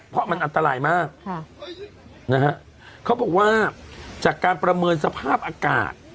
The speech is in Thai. เพราะมันอันตรายมากนะฮะเขาบอกว่าจากการประเมินสภาพอากาศ